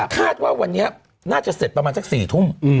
คาดว่าวันนี้น่าจะเสร็จประมาณสัก๔ทุ่ม